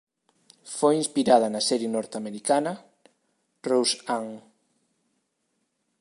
Foi inspirada na serie norteamericana "Roseanne".